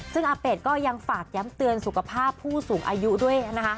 ซึ่งอาเปดก็ยังฝากย้ำเตือนสุขภาพผู้สูงอายุด้วยนะคะ